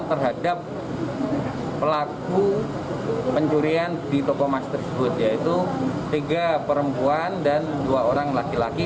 terhadap pelaku pencurian di toko emas tersebut yaitu tiga perempuan dan dua orang laki laki